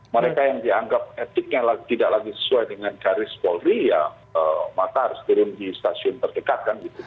mereka yang dianggap etiknya tidak lagi sesuai dengan garis polri ya maka harus turun di stasiun terdekat kan gitu